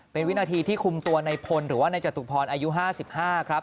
เป็นวินาทีที่คุมตัวในพลหรือว่านายจตุพรอายุ๕๕ครับ